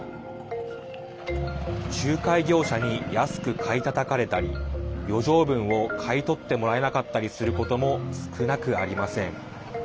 仲介業者に安く買いたたかれたり余剰分を買い取ってもらえなかったりすることも少なくありません。